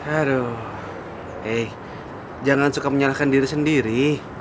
aduh eh jangan suka menyalahkan diri sendiri